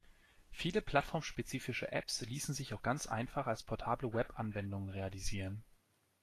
Viele plattformspezifische Apps ließen sich auch ganz einfach als portable Webanwendung realisieren.